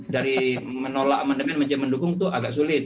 dari menolak amendement mencoba mendukung itu agak sulit